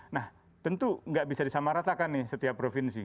nah tentu nggak bisa disamaratakan nih setiap provinsi